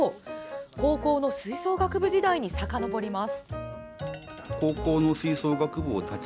高校の吹奏楽部時代にさかのぼります。